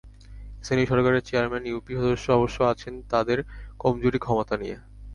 স্থানীয় সরকারের chairman, UP সদস্য অবশ্য আছেন তাঁদের কমজোরি ক্ষমতা নিয়ে।